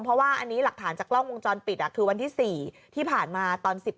เพราะว่าอันนี้หลักฐานจากกล้องวงจรปิดคือวันที่๔ที่ผ่านมาตอน๑๐